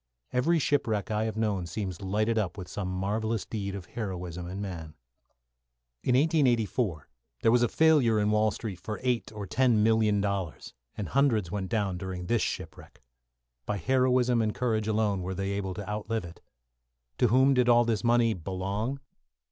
Every shipwreck I have known seems lighted up with some marvellous deed of heroism in man. In 1884 there was a failure in Wall Street for eight or ten million dollars, and hundreds went down during this shipwreck. By heroism and courage alone were they able to outlive it. To whom did all this money belong?